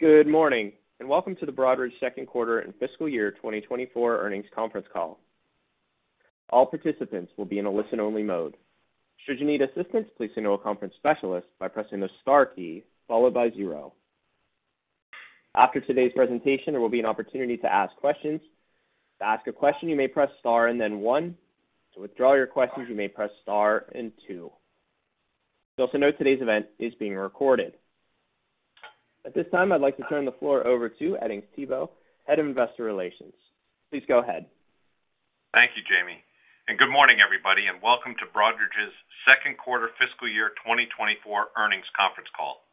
Good morning, and welcome to the Broadridge Second Quarter and Fiscal Year 2024 Earnings Conference Call. All participants will be in a listen-only mode. Should you need assistance, please signal a conference specialist by pressing the star key followed by zero. After today's presentation, there will be an opportunity to ask questions. To ask a question, you may press star and then one. To withdraw your questions, you may press star and two. You'll also note today's event is being recorded. At this time, I'd like to turn the floor over to Edings Thibault, Head of Investor Relations. Please go ahead. Thank you, Jamie, and good morning, everybody, and welcome to Broadridge's Second Quarter Fiscal Year 2024 Earnings Conference Call.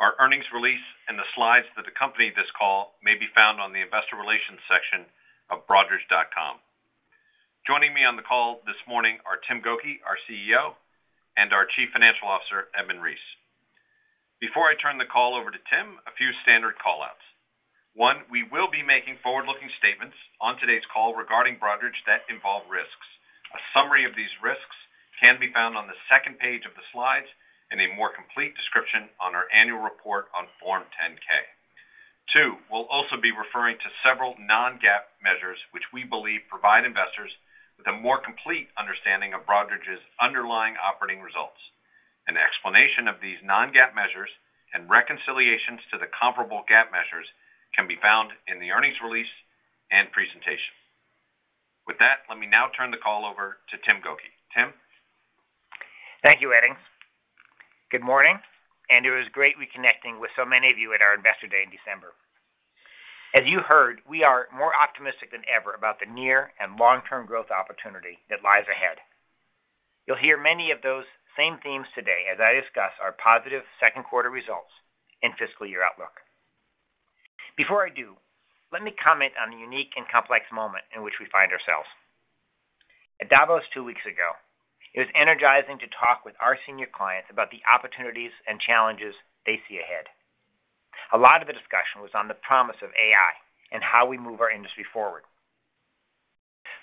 Our earnings release and the slides that accompany this call may be found on the investor relations section of broadridge.com. Joining me on the call this morning are Tim Gokey, our CEO, and our Chief Financial Officer, Edmund Reese. Before I turn the call over to Tim, a few standard call-outs. One, we will be making forward-looking statements on today's call regarding Broadridge that involve risks. A summary of these risks can be found on the second page of the slides, and a more complete description on our annual report on Form 10-K. Two, we'll also be referring to several non-GAAP measures, which we believe provide investors with a more complete understanding of Broadridge's underlying operating results. An explanation of these non-GAAP measures and reconciliations to the comparable GAAP measures can be found in the earnings release and presentation. With that, let me now turn the call over to Tim Gokey. Tim? Thank you, Edings. Good morning, and it was great reconnecting with so many of you at our Investor Day in December. As you heard, we are more optimistic than ever about the near and long-term growth opportunity that lies ahead. You'll hear many of those same themes today as I discuss our positive second quarter results and fiscal year outlook. Before I do, let me comment on the unique and complex moment in which we find ourselves. At Davos two weeks ago, it was energizing to talk with our senior clients about the opportunities and challenges they see ahead. A lot of the discussion was on the promise of AI and how we move our industry forward.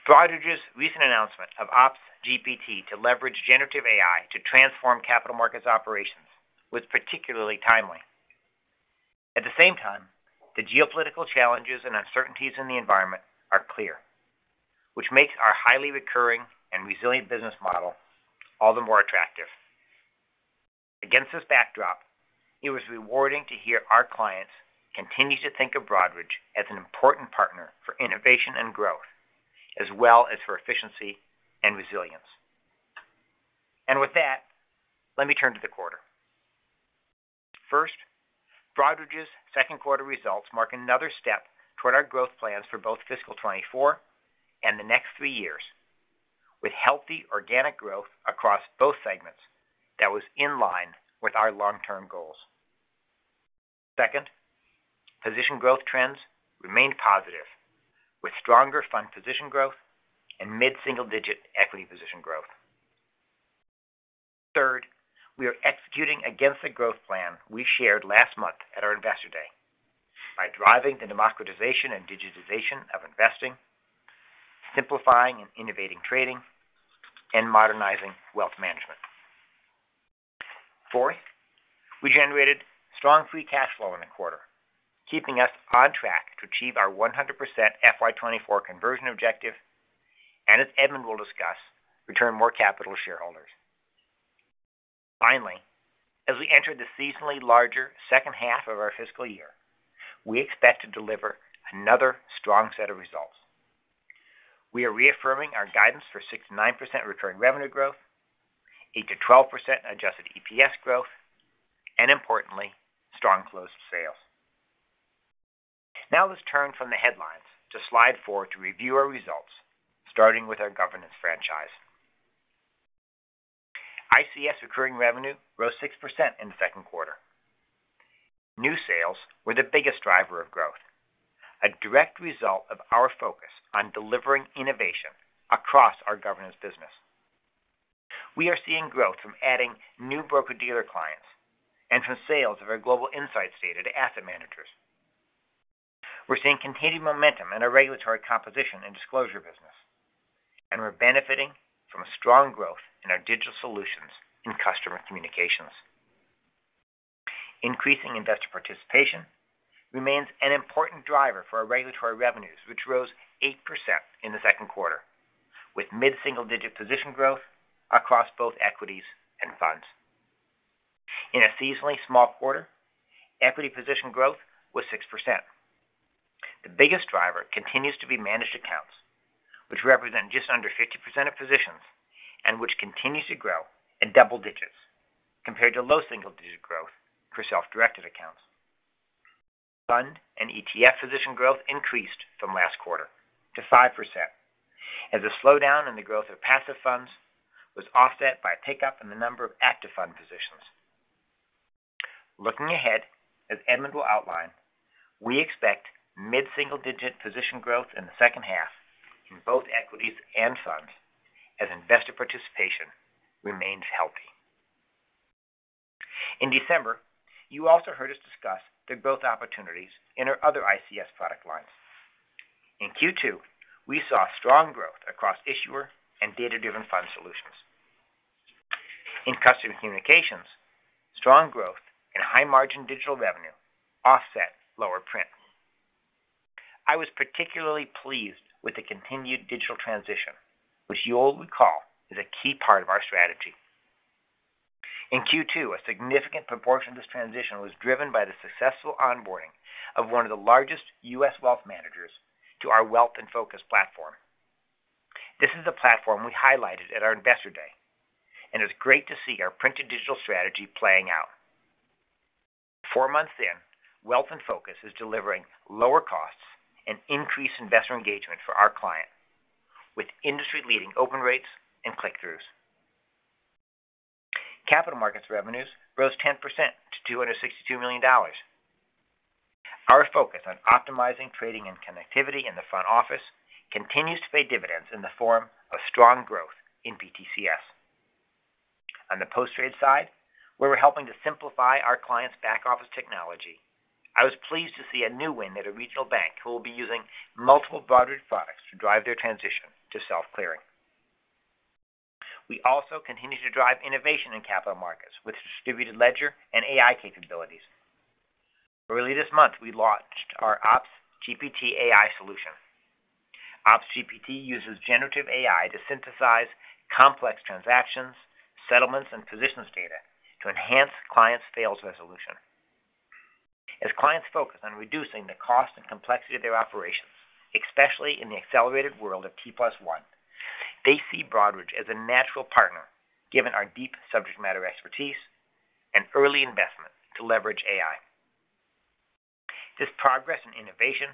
Broadridge's recent announcement of OpsGPT to leverage generative AI to transform Capital Markets operations was particularly timely. At the same time, the geopolitical challenges and uncertainties in the environment are clear, which makes our highly recurring and resilient business model all the more attractive. Against this backdrop, it was rewarding to hear our clients continue to think of Broadridge as an important partner for innovation and growth, as well as for efficiency and resilience. With that, let me turn to the quarter. First, Broadridge's second quarter results mark another step toward our growth plans for both fiscal 2024 and the next three years, with healthy organic growth across both segments that was in line with our long-term goals. Second, position growth trends remained positive, with stronger fund position growth and mid-single-digit equity position growth. Third, we are executing against the growth plan we shared last month at our Investor Day by driving the democratization and digitization of investing, simplifying and innovating trading, and modernizing Wealth Management. Fourth, we generated strong free cash flow in the quarter, keeping us on track to achieve our 100% FY 2024 conversion objective, and as Edmund will discuss, return more capital to shareholders. Finally, as we enter the seasonally larger second half of our fiscal year, we expect to deliver another strong set of results. We are reaffirming our guidance for 6%-9% recurring revenue growth, 8%-12% adjusted EPS growth, and importantly, strong closed sales. Now, let's turn from the headlines to slide four to review our results, starting with our Governance franchise. ICS recurring revenue rose 6% in the second quarter. New sales were the biggest driver of growth, a direct result of our focus on delivering innovation across our Governance business. We are seeing growth from adding new broker-dealer clients and from sales of our Global Insight data to asset managers. We're seeing continued momentum in our Regulatory composition and disclosure business, and we're benefiting from a strong growth in our digital solutions in Customer Communications. Increasing investor participation remains an important driver for our Regulatory revenues, which rose 8% in the second quarter, with mid-single-digit position growth across both equities and funds. In a seasonally small quarter, equity position growth was 6%. The biggest driver continues to be managed accounts, which represent just under 50% of positions and which continues to grow in double digits, compared to low single-digit growth for self-directed accounts. Fund and ETF position growth increased from last quarter to 5%, as the slowdown in the growth of passive funds was offset by a pickup in the number of active fund positions. Looking ahead, as Edmund will outline, we expect mid-single-digit position growth in the second half in both equities and funds, as investor participation remains healthy. In December, you also heard us discuss the growth opportunities in our other ICS product lines. In Q2, we saw strong growth across Issuer and Data-Driven Fund Solutions. In Customer Communications, strong growth and high-margin digital revenue offset lower print. I was particularly pleased with the continued digital transition, which you all recall is a key part of our strategy. In Q2, a significant proportion of this transition was driven by the successful onboarding of one of the largest U.S. Wealth managers to our Wealth InFocus platform. This is a platform we highlighted at our Investor Day, and it's great to see our print to digital strategy playing out. Four months in, Wealth InFocus is delivering lower costs and increased investor engagement for our client, with industry-leading open rates and click-throughs. Capital Markets revenues rose 10% to $262 million. Our focus on optimizing trading and connectivity in the front office continues to pay dividends in the form of strong growth in BTCS. On the post-trade side, where we're helping to simplify our clients' back-office technology, I was pleased to see a new win at a regional bank who will be using multiple Broadridge products to drive their transition to self-clearing. We also continue to drive innovation in Capital Markets with distributed ledger and AI capabilities. Early this month, we launched our OpsGPT AI solution. OpsGPT uses generative AI to synthesize complex transactions, settlements, and positions data to enhance clients' sales resolution. As clients focus on reducing the cost and complexity of their operations, especially in the accelerated world of T+1, they see Broadridge as a natural partner, given our deep subject matter expertise and early investment to leverage AI. This progress and innovation,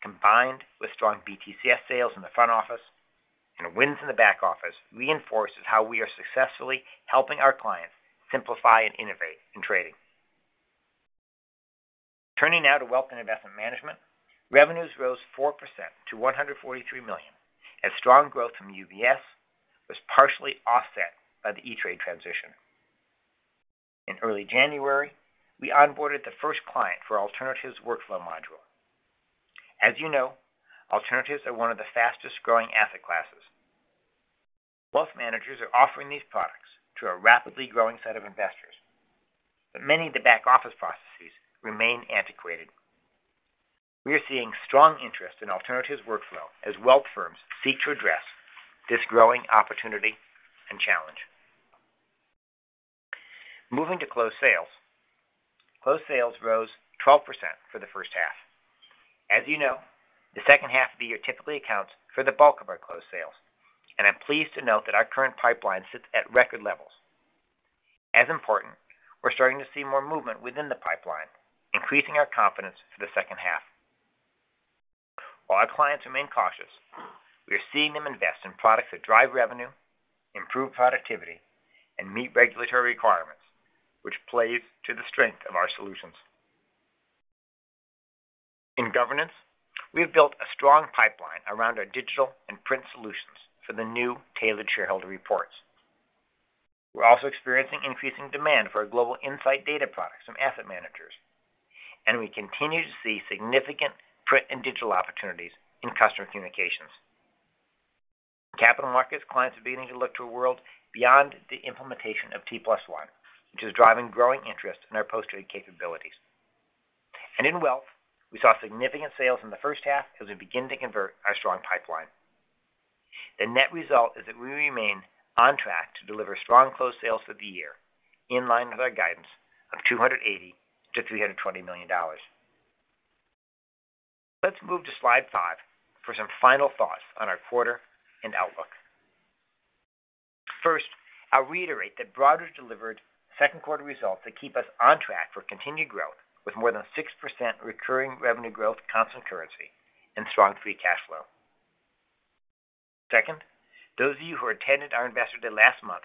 combined with strong BTCS sales in the front office and wins in the back office, reinforces how we are successfully helping our clients simplify and innovate in trading. Turning now to Wealth and Investment Management. Revenues rose 4% to $143 million, as strong growth from UBS was partially offset by the E*TRADE transition. In early January, we onboarded the first client for our alternatives workflow module. As you know, alternatives are one of the fastest-growing asset classes. Wealth managers are offering these products to a rapidly growing set of investors, but many of the back-office processes remain antiquated. We are seeing strong interest in alternatives workflow as Wealth firms seek to address this growing opportunity and challenge. Moving to closed sales. Closed sales rose 12% for the first half. As you know, the second half of the year typically accounts for the bulk of our closed sales, and I'm pleased to note that our current pipeline sits at record levels. As important, we're starting to see more movement within the pipeline, increasing our confidence for the second half. While our clients remain cautious, we are seeing them invest in products that drive revenue, improve productivity, and meet Regulatory requirements, which plays to the strength of our solutions. In Governance, we've built a strong pipeline around our digital and print solutions for the new tailored shareholder reports. We're also experiencing increasing demand for our Global Insight data products from asset managers, and we continue to see significant print and digital opportunities in Customer Communications. Capital Markets clients are beginning to look to a world beyond the implementation of T+1, which is driving growing interest in our post-trade capabilities. In Wealth, we saw significant sales in the first half as we begin to convert our strong pipeline. The net result is that we remain on track to deliver strong closed sales for the year, in line with our guidance of $280 million-$320 million. Let's move to slide five for some final thoughts on our quarter and outlook. First, I'll reiterate that Broadridge delivered second quarter results that keep us on track for continued growth, with more than 6% recurring revenue growth, constant currency, and strong free cash flow. Second, those of you who attended our Investor Day last month,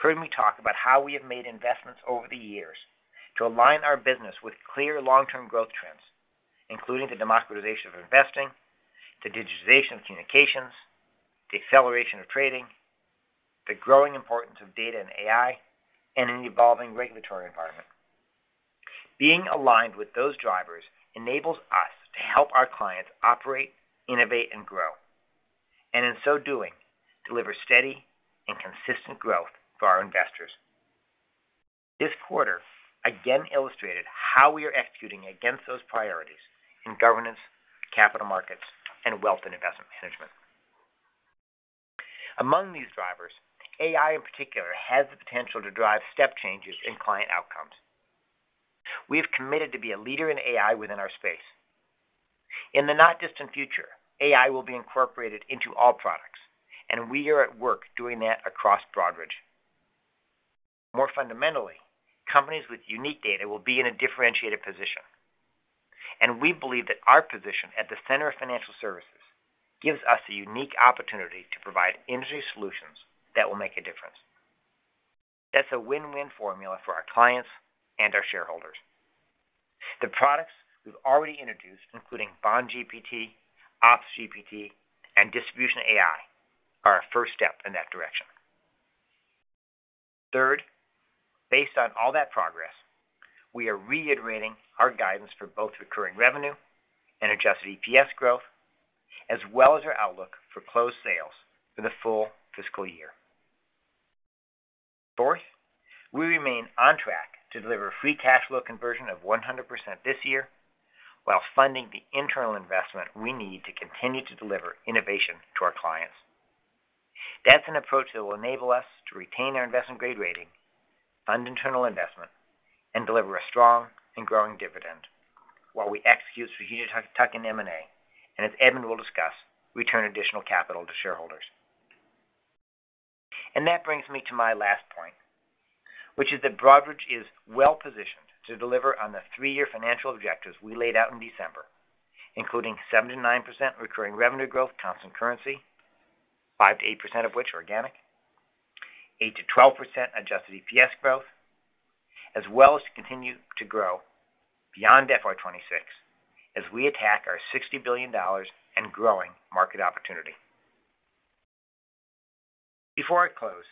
heard me talk about how we have made investments over the years to align our business with clear long-term growth trends, including the democratization of investing, the digitization of communications, the acceleration of trading, the growing importance of data and AI, and an evolving Regulatory environment. Being aligned with those drivers enables us to help our clients operate, innovate, and grow, and in so doing, deliver steady and consistent growth for our investors. This quarter again illustrated how we are executing against those priorities in Governance, Capital Markets, and Wealth and Investment Management. Among these drivers, AI, in particular, has the potential to drive step changes in client outcomes. We have committed to be a leader in AI within our space. In the not-distant future, AI will be incorporated into all products, and we are at work doing that across Broadridge. More fundamentally, companies with unique data will be in a differentiated position, and we believe that our position at the center of financial services gives us a unique opportunity to provide industry solutions that will make a difference. That's a win-win formula for our clients and our shareholders. The products we've already introduced, including BondGPT, OpsGPT, and Distribution AI, are our first step in that direction. Based on all that progress, we are reiterating our guidance for both recurring revenue and adjusted EPS growth, as well as our outlook for closed sales for the full fiscal year. Fourth, we remain on track to deliver free cash flow conversion of 100% this year, while funding the internal investment we need to continue to deliver innovation to our clients. That's an approach that will enable us to retain our investment-grade rating, fund internal investment, and deliver a strong and growing dividend while we execute strategic tuck-in M&A, and as Edmund will discuss, return additional capital to shareholders. And that brings me to my last point, which is that Broadridge is well-positioned to deliver on the three-year financial objectives we laid out in December, including 7%-9% recurring revenue growth, constant currency, 5%-8% of which are organic, 8%-12% adjusted EPS growth, as well as to continue to grow beyond FY 2026 as we attack our $60 billion and growing market opportunity. Before I close,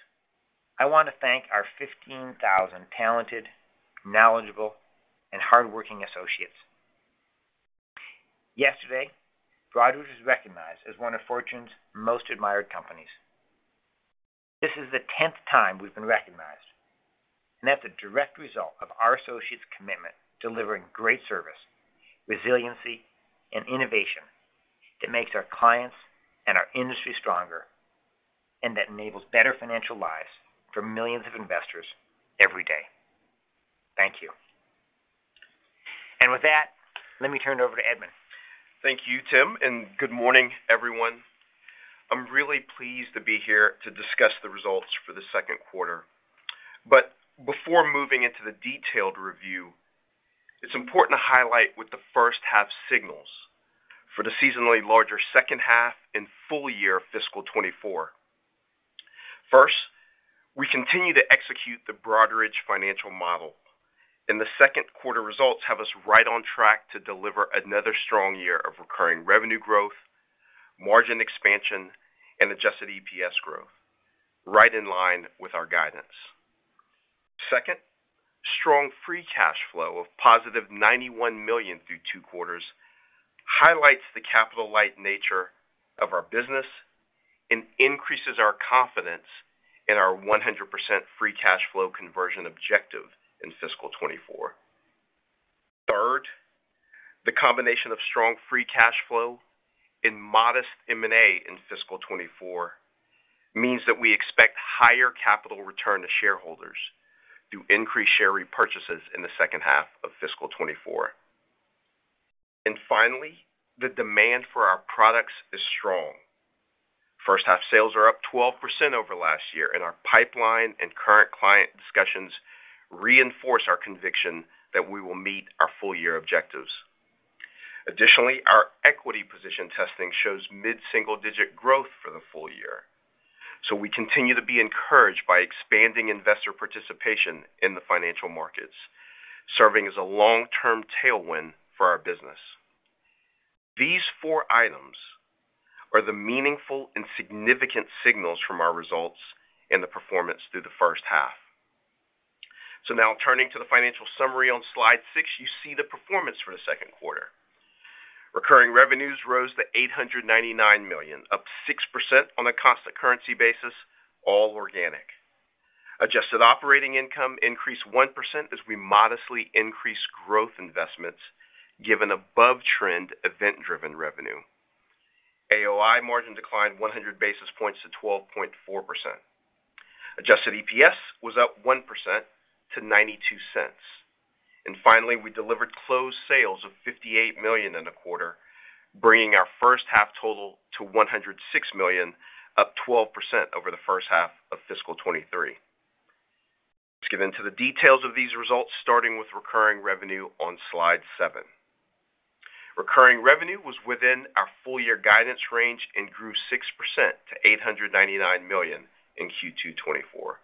I want to thank our 15,000 talented, knowledgeable, and hardworking associates. Yesterday, Broadridge was recognized as one of Fortune's most admired companies. This is the 10th time we've been recognized, and that's a direct result of our associates' commitment to delivering great service, resiliency, and innovation that makes our clients and our industry stronger, and that enables better financial lives for millions of investors every day. Thank you. And with that, let me turn it over to Edmund. Thank you, Tim, and good morning, everyone. I'm really pleased to be here to discuss the results for the second quarter. But before moving into the detailed review, it's important to highlight what the first half signals for the seasonally larger second half and full year of fiscal 2024. First, we continue to execute the Broadridge financial model, and the second quarter results have us right on track to deliver another strong year of recurring revenue growth, margin expansion, and adjusted EPS growth, right in line with our guidance. Second, strong free cash flow of $91 million through two quarters highlights the capital-light nature of our business and increases our confidence in our 100% free cash flow conversion objective in fiscal 2024. Third, the combination of strong free cash flow and modest M&A in fiscal 2024 means that we expect higher capital return to shareholders through increased share repurchases in the second half of fiscal 2024. And finally, the demand for our products is strong. First half sales are up 12% over last year, and our pipeline and current client discussions reinforce our conviction that we will meet our full-year objectives. Additionally, our equity position testing shows mid-single-digit growth for the full year. So we continue to be encouraged by expanding investor participation in the financial markets, serving as a long-term tailwind for our business. These four items are the meaningful and significant signals from our results and the performance through the first half. So now turning to the financial summary on slide 6, you see the performance for the second quarter. Recurring revenues rose to $899 million, up 6% on a constant currency basis, all organic. Adjusted operating income increased 1% as we modestly increased growth investments, given above-trend, event-driven revenue. AOI margin declined 100 basis points to 12.4%. Adjusted EPS was up 1% to $0.92. And finally, we delivered closed sales of $58 million in the quarter, bringing our first half total to $106 million, up 12% over the first half of fiscal 2023. Let's get into the details of these results, starting with recurring revenue on slide 7. Recurring revenue was within our full-year guidance range and grew 6% to $899 million in Q2 2024.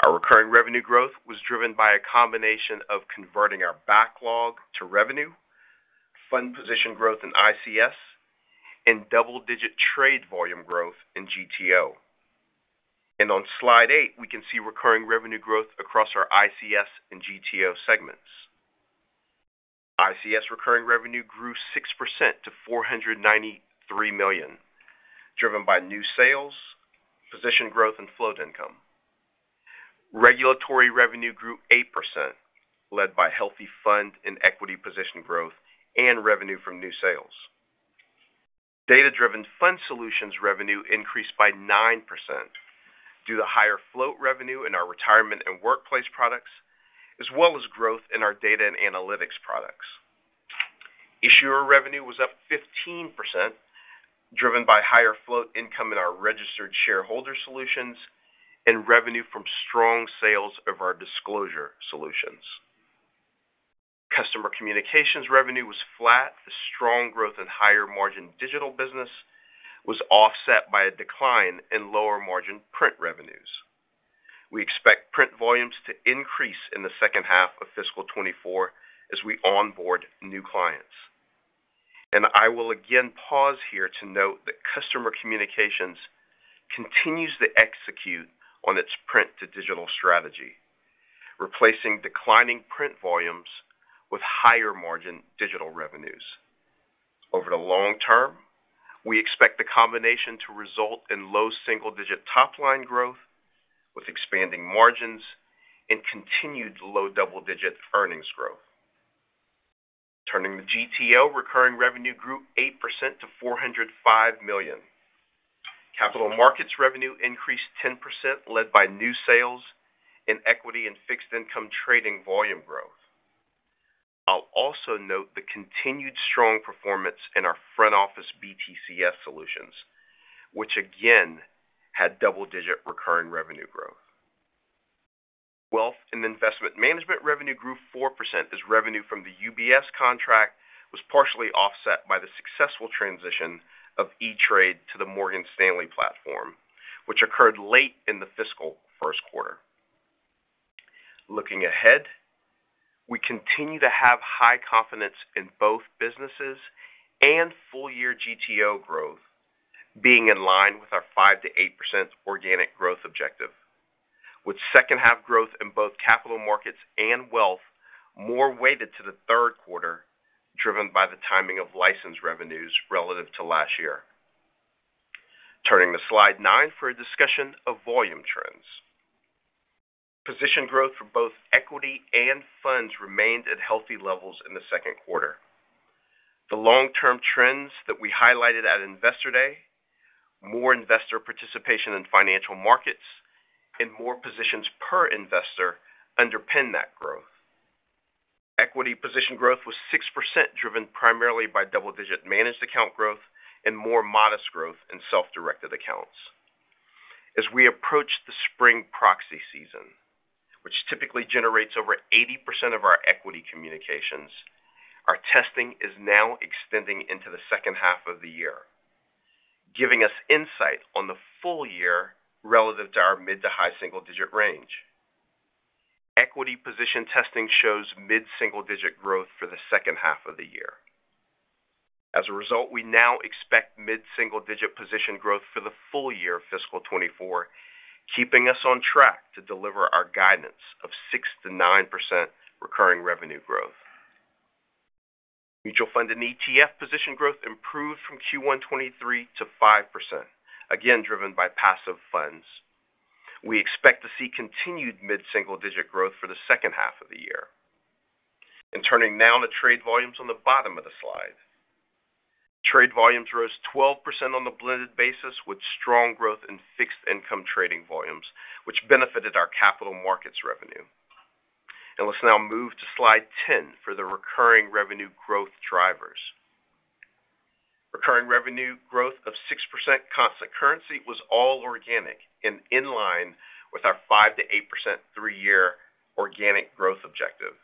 Our recurring revenue growth was driven by a combination of converting our backlog to revenue, fund position growth in ICS, and double-digit trade volume growth in GTO. On slide eight, we can see recurring revenue growth across our ICS and GTO segments. ICS recurring revenue grew 6% to $493 million, driven by new sales, position growth, and float income. Regulatory revenue grew 8%, led by healthy fund and equity position growth and revenue from new sales. Data-Driven Fund Solutions revenue increased by 9% due to higher float revenue in our retirement and workplace products, as well as growth in our data and analytics products. Issuer revenue was up 15%, driven by higher float income in our registered shareholder solutions and revenue from strong sales of our disclosure solutions. Customer Communications revenue was flat. The strong growth in higher-margin digital business was offset by a decline in lower-margin print revenues. We expect print volumes to increase in the second half of fiscal 2024 as we onboard new clients... I will again pause here to note that Customer Communications continues to execute on its print to digital strategy, replacing declining print volumes with higher margin digital revenues. Over the long term, we expect the combination to result in low single-digit top-line growth with expanding margins and continued low double-digit earnings growth. Turning to GTO, recurring revenue grew 8% to $405 million. Capital Markets revenue increased 10%, led by new sales in equity and fixed income trading volume growth. I'll also note the continued strong performance in our front office BTCS solutions, which again had double-digit recurring revenue growth. Wealth and Investment Management revenue grew 4%, as revenue from the UBS contract was partially offset by the successful transition of E*TRADE to the Morgan Stanley platform, which occurred late in the fiscal first quarter. Looking ahead, we continue to have high confidence in both businesses and full year GTO growth being in line with our 5%-8% organic growth objective, with second half growth in both Capital Markets and Wealth more weighted to the third quarter, driven by the timing of license revenues relative to last year. Turning to slide nine for a discussion of volume trends. Position growth for both equity and funds remained at healthy levels in the second quarter. The long-term trends that we highlighted at Investor Day, more investor participation in financial markets, and more positions per investor underpin that growth. Equity position growth was 6%, driven primarily by double-digit managed account growth and more modest growth in self-directed accounts. As we approach the spring proxy season, which typically generates over 80% of our equity communications, our testing is now extending into the second half of the year, giving us insight on the full year relative to our mid- to high-single-digit range. Equity position testing shows mid-single-digit growth for the second half of the year. As a result, we now expect mid-single-digit position growth for the full year of fiscal 2024, keeping us on track to deliver our guidance of 6%-9% recurring revenue growth. Mutual fund and ETF position growth improved from Q1 2023 to 5%, again, driven by passive funds. We expect to see continued mid-single-digit growth for the second half of the year. Turning now to trade volumes on the bottom of the slide. Trade volumes rose 12% on a blended basis, with strong growth in fixed income trading volumes, which benefited our Capital Markets revenue. Let's now move to slide 10 for the recurring revenue growth drivers. Recurring revenue growth of 6% constant currency was all organic and in line with our 5%-8% three-year organic growth objective.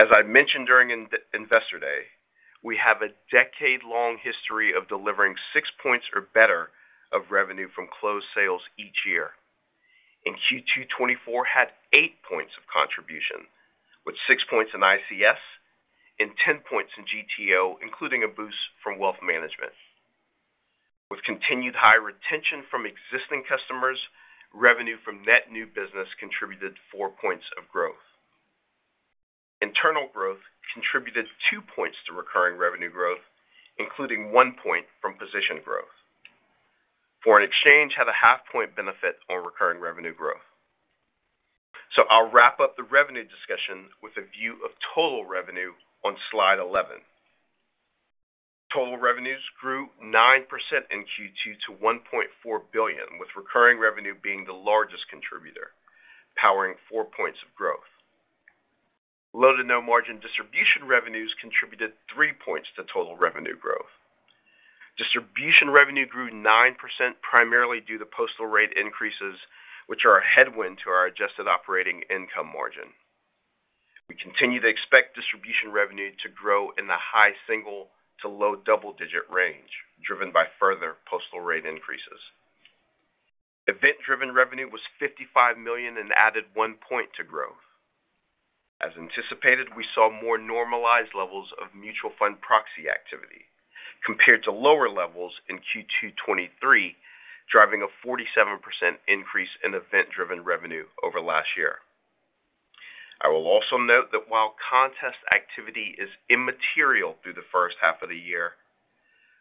As I mentioned during Investor Day, we have a decade-long history of delivering 6 points or better of revenue from closed sales each year, and Q2 2024 had 8 points of contribution, with 6 points in ICS and 10 points in GTO, including a boost from Wealth Management. With continued high retention from existing customers, revenue from net new business contributed 4 points of growth. Internal growth contributed 2 points to recurring revenue growth, including 1 point from position growth. Foreign exchange had a 0.5-point benefit on recurring revenue growth. So I'll wrap up the revenue discussion with a view of total revenue on slide 11. Total revenues grew 9% in Q2 to $1.4 billion, with recurring revenue being the largest contributor, powering 4 points of growth. Low to no margin distribution revenues contributed 3 points to total revenue growth. Distribution revenue grew 9%, primarily due to postal rate increases, which are a headwind to our adjusted operating income margin. We continue to expect distribution revenue to grow in the high single- to low double-digit range, driven by further postal rate increases. Event-driven revenue was $55 million and added 1 point to growth. As anticipated, we saw more normalized levels of mutual fund proxy activity compared to lower levels in Q2 2023, driving a 47% increase in event-driven revenue over last year. I will also note that while contest activity is immaterial through the first half of the year,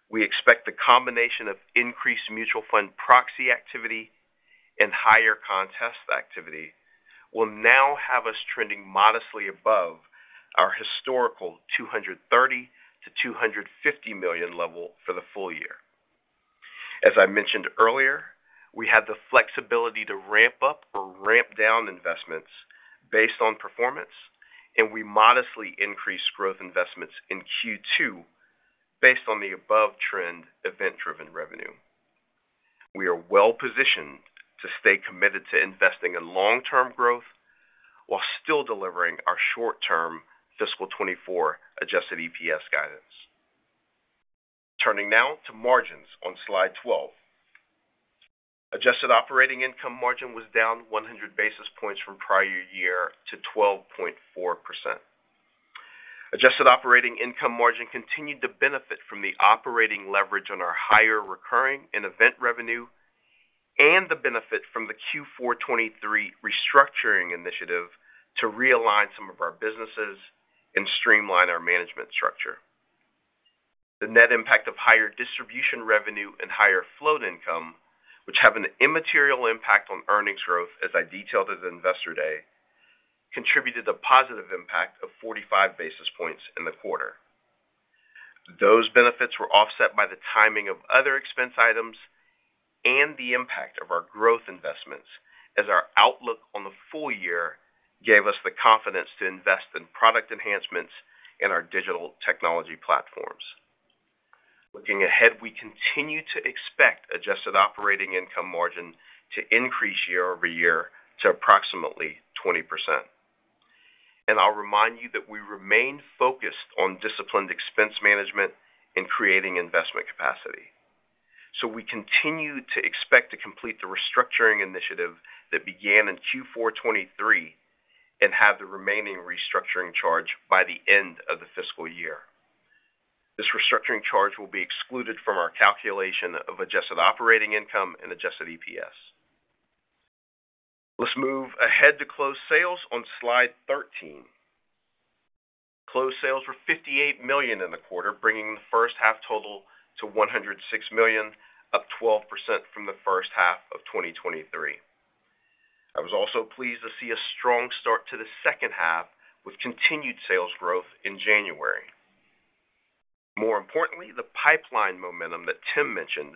we expect the combination of increased mutual fund proxy activity and higher contest activity will now have us trending modestly above our historical $230 million-$250 million level for the full year. As I mentioned earlier, we have the flexibility to ramp up or ramp down investments based on performance, and we modestly increased growth investments in Q2 based on the above-trend event-driven revenue. We are well-positioned to stay committed to investing in long-term growth while still delivering our short-term fiscal 2024 adjusted EPS guidance. Turning now to margins on slide 12. Adjusted Operating Income margin was down 100 basis points from prior year to 12.4%. Adjusted Operating Income margin continued to benefit from the operating leverage on our higher recurring and event revenue, and the benefit from the Q4 2023 restructuring initiative to realign some of our businesses and streamline our management structure. The net impact of higher distribution revenue and higher float income, which have an immaterial impact on earnings growth, as I detailed at Investor Day, contributed a positive impact of 45 basis points in the quarter. Those benefits were offset by the timing of other expense items and the impact of our growth investments, as our outlook on the full year gave us the confidence to invest in product enhancements in our digital technology platforms. Looking ahead, we continue to expect adjusted operating income margin to increase year-over-year to approximately 20%. I'll remind you that we remain focused on disciplined expense management and creating investment capacity. We continue to expect to complete the restructuring initiative that began in Q4 2023 and have the remaining restructuring charge by the end of the fiscal year. This restructuring charge will be excluded from our calculation of adjusted operating income and adjusted EPS. Let's move ahead to closed sales on slide 13. Closed sales were $58 million in the quarter, bringing the first half total to $106 million, up 12% from the first half of 2023. I was also pleased to see a strong start to the second half, with continued sales growth in January. More importantly, the pipeline momentum that Tim mentioned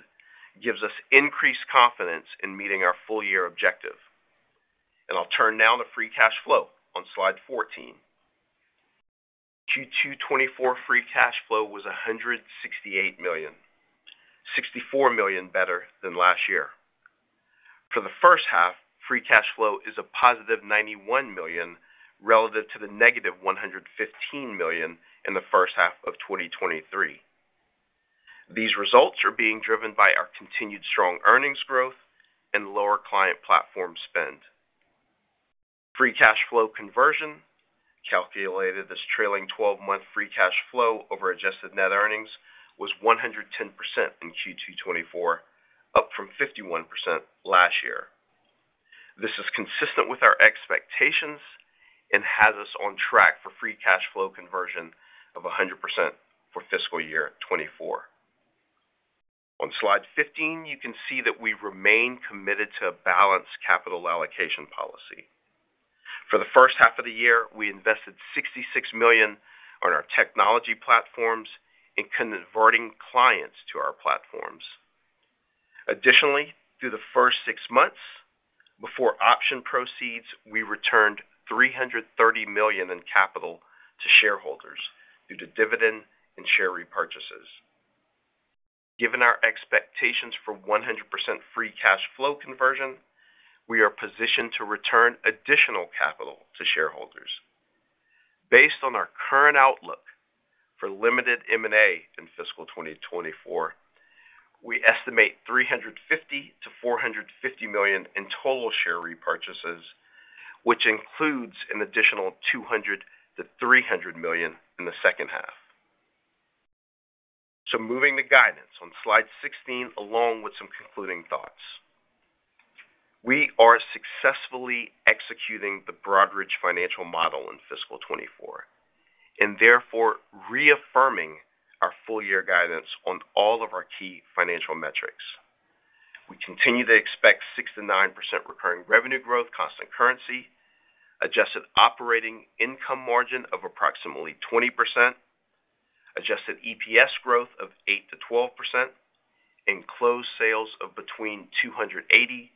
gives us increased confidence in meeting our full-year objective. I'll turn now to free cash flow on slide 14. Q2 2024 free cash flow was $168 million, $64 million better than last year. For the first half, free cash flow is a +$91 million, relative to the -$115 million in the first half of 2023. These results are being driven by our continued strong earnings growth and lower client platform spend. Free cash flow conversion, calculated as trailing-twelve-month free cash flow over adjusted net earnings, was 110% in Q2 2024, up from 51% last year. This is consistent with our expectations and has us on track for free cash flow conversion of 100% for fiscal year 2024. On slide 15, you can see that we remain committed to a balanced capital allocation policy. For the first half of the year, we invested $66 million on our technology platforms and converting clients to our platforms. Additionally, through the first six months, before option proceeds, we returned $330 million in capital to shareholders due to dividend and share repurchases. Given our expectations for 100% free cash flow conversion, we are positioned to return additional capital to shareholders. Based on our current outlook for limited M&A in fiscal 2024, we estimate $350 million-$450 million in total share repurchases, which includes an additional $200 million-$300 million in the second half. So moving to guidance on slide 16, along with some concluding thoughts. We are successfully executing the Broadridge financial model in fiscal 2024, and therefore reaffirming our full-year guidance on all of our key financial metrics. We continue to expect 6%-9% recurring revenue growth, constant currency, adjusted operating income margin of approximately 20%, adjusted EPS growth of 8%-12%, and closed sales of between $280 million-$320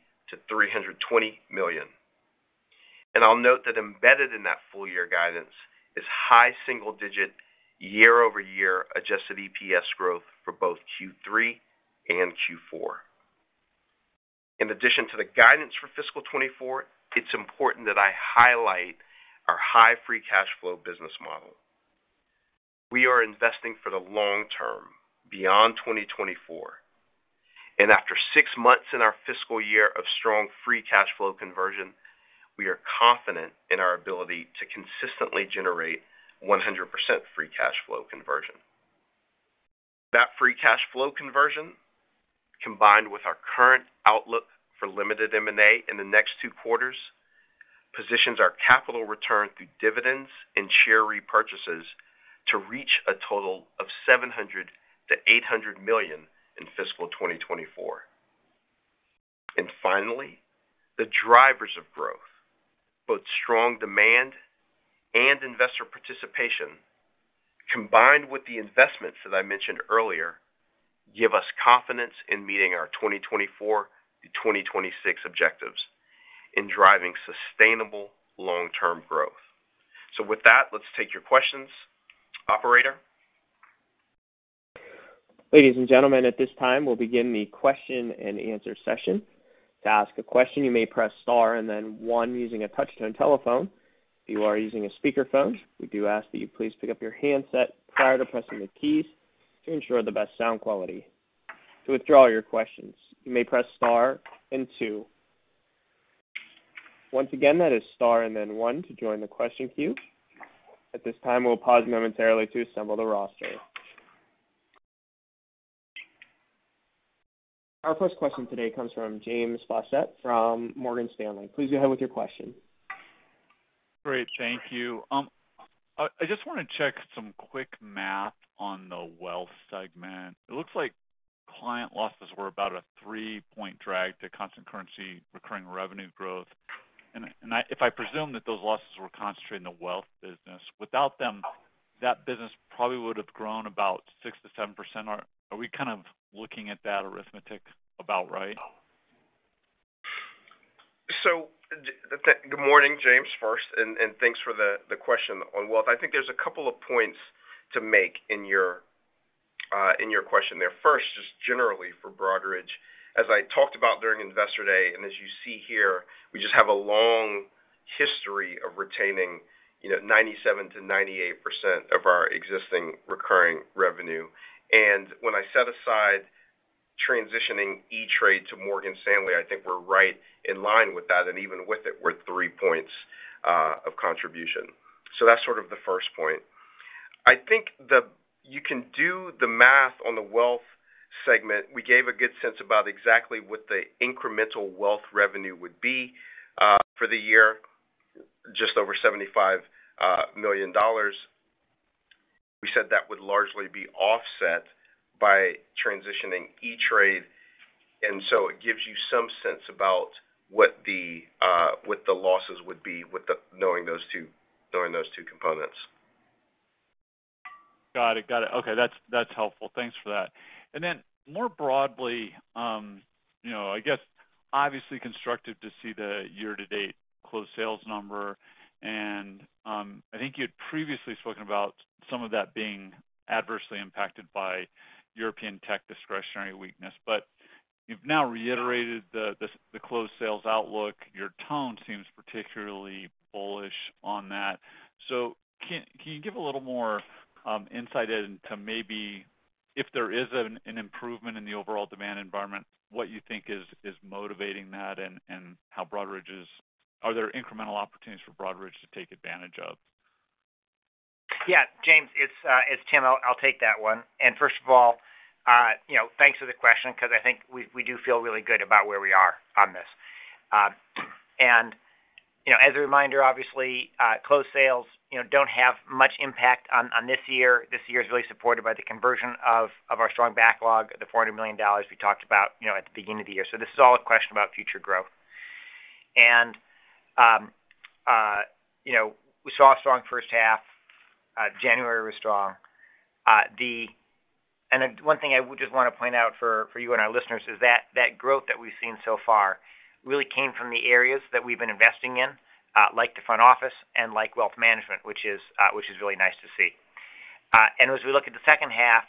million. And I'll note that embedded in that full year guidance is high single-digit, year-over-year adjusted EPS growth for both Q3 and Q4. In addition to the guidance for fiscal 2024, it's important that I highlight our high free cash flow business model. We are investing for the long term, beyond 2024, and after six months in our fiscal year of strong free cash flow conversion, we are confident in our ability to consistently generate 100% free cash flow conversion. That free cash flow conversion, combined with our current outlook for limited M&A in the next two quarters, positions our capital return through dividends and share repurchases to reach a total of $700 million-$800 million in fiscal 2024. And finally, the drivers of growth, both strong demand and investor participation, combined with the investments that I mentioned earlier, give us confidence in meeting our 2024-2026 objectives in driving sustainable long-term growth. So with that, let's take your questions. Operator? Ladies and gentlemen, at this time, we'll begin the question-and-answer session. To ask a question, you may press star and then one using a touch-tone telephone. If you are using a speakerphone, we do ask that you please pick up your handset prior to pressing the keys to ensure the best sound quality. To withdraw your questions, you may press star and two. Once again, that is star and then one to join the question queue. At this time, we'll pause momentarily to assemble the roster. Our first question today comes from James Faucette from Morgan Stanley. Please go ahead with your question. Great, thank you. I just wanna check some quick math on the Wealth segment. It looks like client losses were about a three-point drag to constant currency, recurring revenue growth. And if I presume that those losses were concentrated in the Wealth business, without them, that business probably would have grown about 6%-7%. Are we kind of looking at that arithmetic about right? So, good morning, James, first, and thanks for the question on Wealth. I think there's a couple of points to make in your question there. First, just generally for Broadridge, as I talked about during Investor Day, and as you see here, we just have a long history of retaining, you know, 97%-98% of our existing recurring revenue. And when I set aside transitioning E*TRADE to Morgan Stanley, I think we're right in line with that, and even with it, we're three points of contribution. So that's sort of the first point. I think the. You can do the math on the Wealth segment. We gave a good sense about exactly what the incremental Wealth revenue would be for the year, just over $75 million. We said that would largely be offset by transitioning E*TRADE, and so it gives you some sense about what the losses would be with knowing those two components. Got it. Got it. Okay, that's helpful. Thanks for that. And then more broadly, you know, I guess obviously constructive to see the year-to-date closed sales number, and I think you'd previously spoken about some of that being adversely impacted by European tech discretionary weakness. But you've now reiterated the closed sales outlook. Your tone seems particularly bullish on that. So can you give a little more insight into maybe if there is an improvement in the overall demand environment, what you think is motivating that, and how Broadridge—are there incremental opportunities for Broadridge to take advantage of? Yeah, James, it's Tim. I'll take that one. And first of all, you know, thanks for the question because I think we do feel really good about where we are on this. And, you know, as a reminder, obviously, closed sales, you know, don't have much impact on this year. This year is really supported by the conversion of our strong backlog, the $400 million we talked about, you know, at the beginning of the year. So this is all a question about future growth. And, you know, we saw a strong first half. January was strong. And then one thing I would just want to point out for, for you and our listeners is that, that growth that we've seen so far really came from the areas that we've been investing in, like the front office and like Wealth Management, which is, which is really nice to see. And as we look at the second half,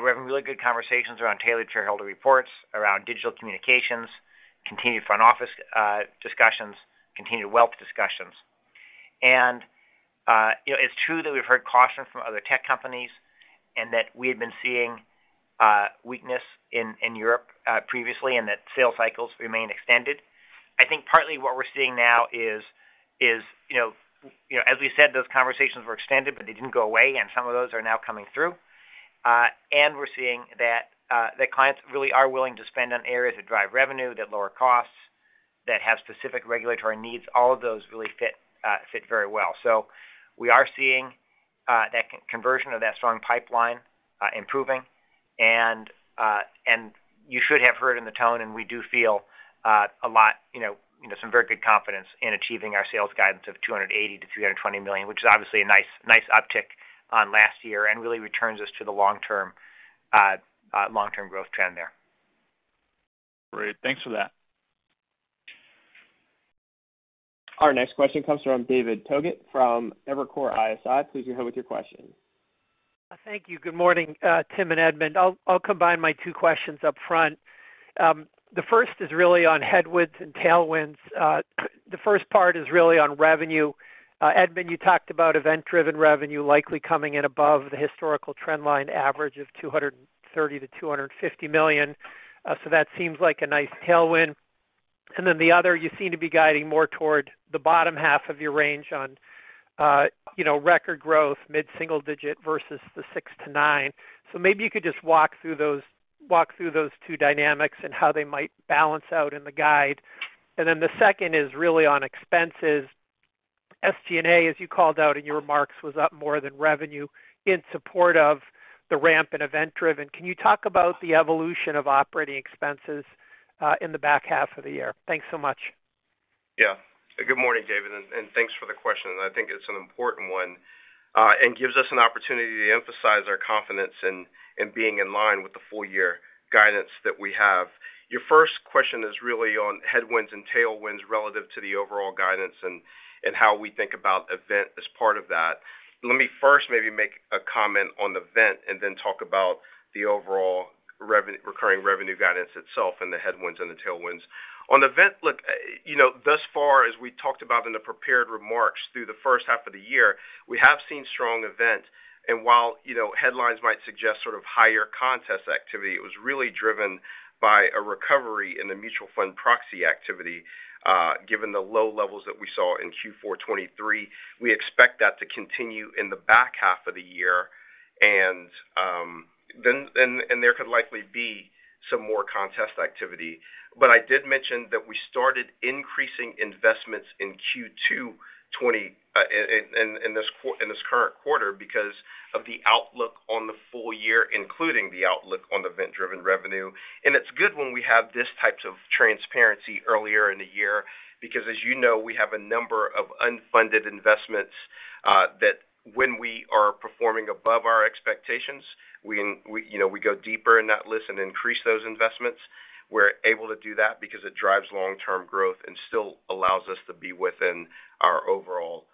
we're having really good conversations around Tailored Shareholder Reports, around digital communications, continued front office, discussions, continued Wealth discussions. And, you know, it's true that we've heard caution from other tech companies, and that we had been seeing, weakness in, in Europe, previously, and that sales cycles remain extended. I think partly what we're seeing now is, you know, as we said, those conversations were extended, but they didn't go away, and some of those are now coming through. And we're seeing that that clients really are willing to spend on areas that drive revenue, that lower costs, that have specific Regulatory needs. All of those really fit, fit very well. So we are seeing that conversion of that strong pipeline improving. And you should have heard in the tone, and we do feel a lot, you know, some very good confidence in achieving our sales guidance of $280 million-$320 million, which is obviously a nice, nice uptick on last year and really returns us to the long-term growth trend there. Great, thanks for that. Our next question comes from David Togut, from Evercore ISI. Please go ahead with your question. Thank you. Good morning, Tim and Edmund. I'll combine my two questions up front. The first is really on headwinds and tailwinds. The first part is really on revenue. Edmund, you talked about event-driven revenue likely coming in above the historical trend line average of $230 million-$250 million. So that seems like a nice tailwind. And then the other, you seem to be guiding more toward the bottom half of your range on, you know, record growth, mid-single digit versus the 6%-9%. So maybe you could just walk through those, walk through those two dynamics and how they might balance out in the guide. And then the second is really on expenses. SG&A, as you called out in your remarks, was up more than revenue in support of the ramp in event-driven. Can you talk about the evolution of operating expenses, in the back half of the year? Thanks so much. Yeah. Good morning, David, and thanks for the question. I think it's an important one, and gives us an opportunity to emphasize our confidence in being in line with the full year guidance that we have. Your first question is really on headwinds and tailwinds relative to the overall guidance and how we think about event as part of that. Let me first maybe make a comment on event and then talk about the overall recurring revenue guidance itself and the headwinds and the tailwinds. On event, look, you know, thus far, as we talked about in the prepared remarks, through the first half of the year, we have seen strong event, and while, you know, headlines might suggest sort of higher contest activity, it was really driven by a recovery in the mutual fund proxy activity.... Given the low levels that we saw in Q4 2023, we expect that to continue in the back half of the year. And then there could likely be some more contest activity. But I did mention that we started increasing investments in Q2 in this current quarter because of the outlook on the full year, including the outlook on event-driven revenue. And it's good when we have these types of transparency earlier in the year, because, as you know, we have a number of unfunded investments that when we are performing above our expectations, we, you know, we go deeper in that list and increase those investments. We're able to do that because it drives long-term growth and still allows us to be within our overall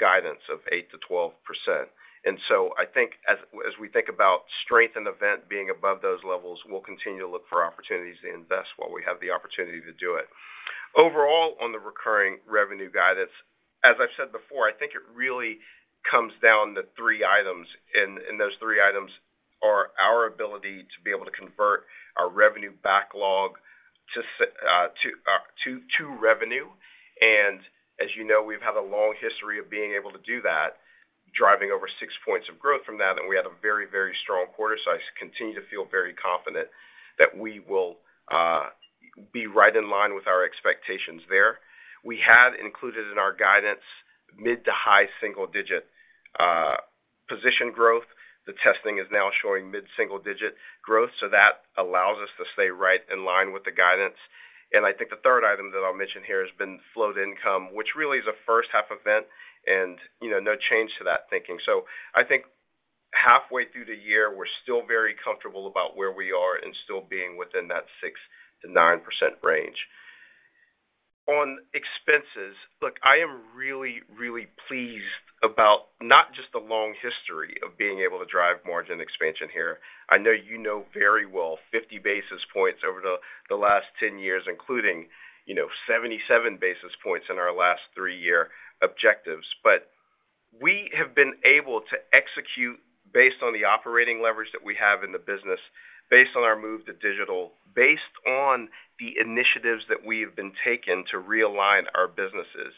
guidance of 8%-12%. And so I think as we think about strength in event being above those levels, we'll continue to look for opportunities to invest while we have the opportunity to do it. Overall, on the recurring revenue guidance, as I've said before, I think it really comes down to three items, and those three items are our ability to be able to convert our revenue backlog to revenue. And as you know, we've had a long history of being able to do that, driving over six points of growth from that, and we had a very, very strong quarter. So I continue to feel very confident that we will be right in line with our expectations there. We have included in our guidance mid- to high-single-digit position growth. The testing is now showing mid single-digit growth, so that allows us to stay right in line with the guidance. And I think the third item that I'll mention here has been flow to income, which really is a first half event and, you know, no change to that thinking. So I think halfway through the year, we're still very comfortable about where we are and still being within that 6%-9% range. On expenses, look, I am really, really pleased about not just the long history of being able to drive margin expansion here. I know you know very well 50 basis points over the, the last 10 years, including, you know, 77 basis points in our last three-year objectives. But we have been able to execute based on the operating leverage that we have in the business, based on our move to digital, based on the initiatives that we have been taking to realign our businesses,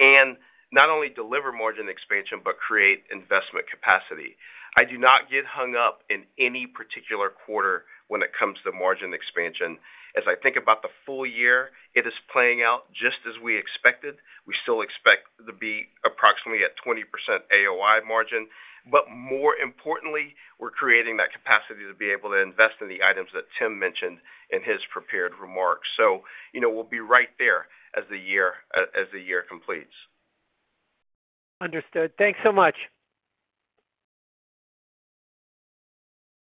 and not only deliver margin expansion, but create investment capacity. I do not get hung up in any particular quarter when it comes to margin expansion. As I think about the full year, it is playing out just as we expected. We still expect to be approximately at 20% AOI margin, but more importantly, we're creating that capacity to be able to invest in the items that Tim mentioned in his prepared remarks. So, you know, we'll be right there as the year, as the year completes. Understood. Thanks so much!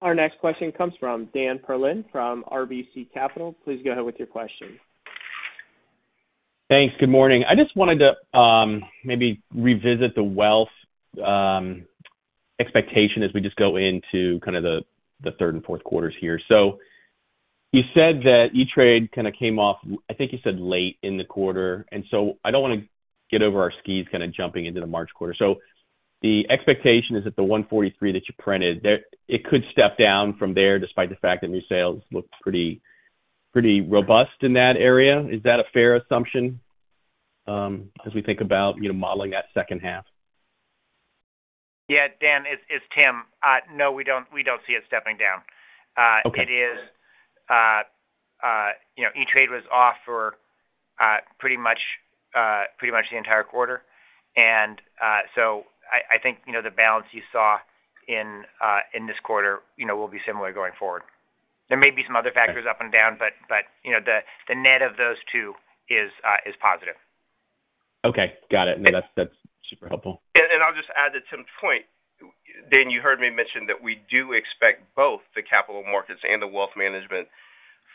Our next question comes from Dan Perlin from RBC Capital. Please go ahead with your question. Thanks. Good morning. I just wanted to maybe revisit the Wealth expectation as we just go into kind of the third and fourth quarters here. So you said that E*TRADE kind of came off, I think you said, late in the quarter, and so I don't want to get over our skis kind of jumping into the March quarter. So the expectation is that the $143 million that you printed, that it could step down from there, despite the fact that new sales look pretty, pretty robust in that area. Is that a fair assumption as we think about, you know, modeling that second half? Yeah, Dan, it's Tim. No, we don't see it stepping down. Okay. It is, you know, E*TRADE was off for pretty much, pretty much the entire quarter. And so I, I think, you know, the balance you saw in, in this quarter, you know, will be similar going forward. There may be some other factors up and down, but, but you know, the, the net of those two is, is positive. Okay. Got it. No, that's, that's super helpful. And I'll just add to Tim's point. Dan, you heard me mention that we do expect both the Capital Markets and the Wealth Management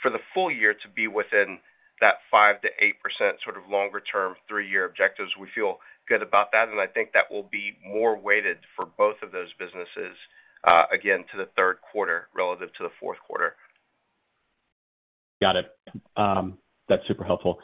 for the full year to be within that 5%-8%, sort of longer term, three-year objectives. We feel good about that, and I think that will be more weighted for both of those businesses, again, to the third quarter relative to the fourth quarter. Got it. That's super helpful.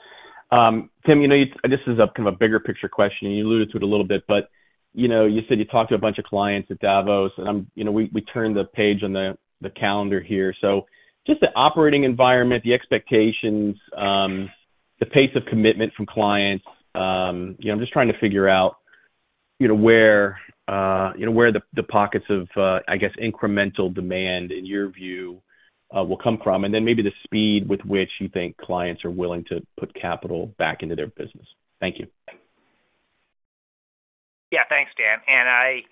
Tim, you know, this is kind of a bigger picture question, and you alluded to it a little bit, but you know, you said you talked to a bunch of clients at Davos, and I'm you know, we turned the page on the calendar here. So just the operating environment, the expectations, the pace of commitment from clients, you know, I'm just trying to figure out, you know, where you know, where the pockets of I guess, incremental demand in your view will come from, and then maybe the speed with which you think clients are willing to put capital back into their business. Thank you. Yeah. Thanks, Dan. And I,